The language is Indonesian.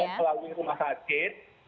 sehingga ini selalu rumah sakit